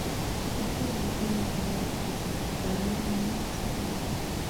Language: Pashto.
پخوا ډیزاین د کسبکارانو ساحه وه.